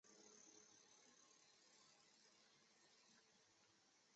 院士每两年召开一次院士会议。